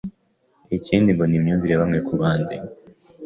ikindi ngo ni imyumvire ya bamwe ku bandi